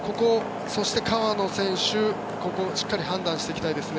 川野選手、ここしっかり判断していきたいですね。